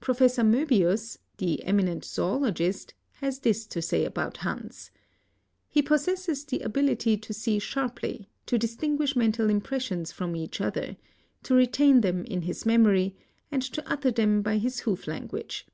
Prof. Moebius, the eminent zoologist has this to say about Hans: ." He possesses the ability to see sharply, to distinguish mental impr^ions from each other, to retain them In his memory, and to utter them by his hoof language.